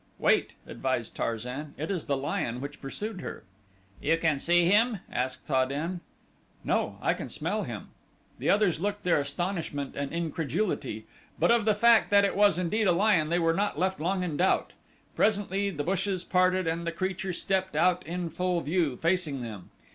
"Wait," advised Tarzan. "It is the lion which pursued her." "You can see him?" asked Ta den. "No, I can smell him." The others looked their astonishment and incredulity; but of the fact that it was indeed a lion they were not left long in doubt. Presently the bushes parted and the creature stepped out in full view, facing them.